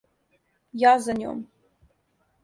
Ја за њом.